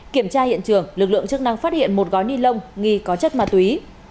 kiểm tra hiện trường lực lượng chức năng phát hiện một gói ni lông nghi có chất ma túy